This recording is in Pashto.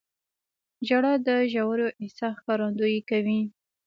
• ژړا د ژور احساس ښکارندویي کوي.